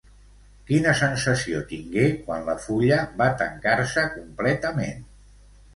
Quina sensació tingué quan la fulla va tancar-se completament?